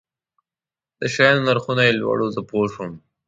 د شیانو نرخونه یې لوړ وو، زه پوه شوم.